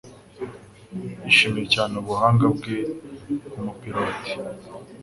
Yishimiye cyane ubuhanga bwe nkumupilote.